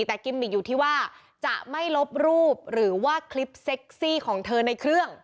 แต่กิมมิกอยู่ที่ว่าจะไม่ลบรูปหรือว่าคลิปเซ็กซี่ของเธอในเครื่อง